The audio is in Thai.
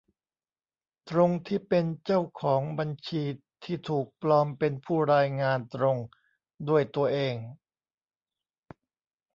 ตรงที่เป็นเจ้าของบัญชีที่ถูกปลอมเป็นผู้รายงานตรงด้วยตัวเอง